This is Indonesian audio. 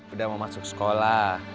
udah mau masuk sekolah